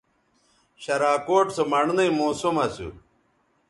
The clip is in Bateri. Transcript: شراکوٹ سو مڑنئ موسم اسُو